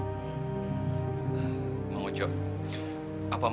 sampai sampai keponakan bang ojo tidak bisa dikawal